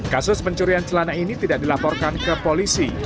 kasus pencurian celana ini tidak dilaporkan ke polisi